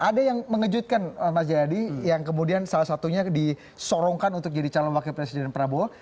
ada yang mengejutkan mas jayadi yang kemudian salah satunya disorongkan untuk jadi calon wakil presiden prabowo